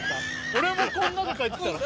俺もこんなで帰ってきたの？